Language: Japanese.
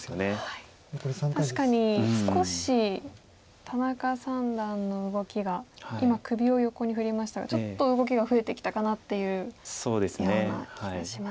確かに少し田中三段の動きが今首を横に振りましたがちょっと動きが増えてきたかなっていうような気がします。